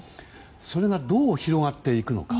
それがどう広がっていくのか。